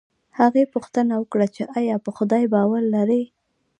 هغې پوښتنه وکړه چې ایا په خدای باور لرې